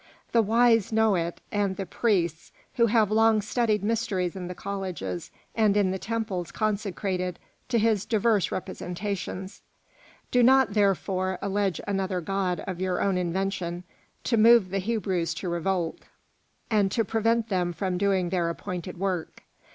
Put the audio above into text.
The wise know it, and the priests, who have long studied mysteries in the colleges and in the temples consecrated to his diverse representations. Do not, therefore, allege another god of your own invention to move the Hebrews to revolt, and to prevent them from doing their appointed work.